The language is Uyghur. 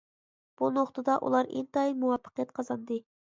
بو نۇقتىدا ئۇلار ئىنتايىن مۇۋەپپەقىيەت قازاندى.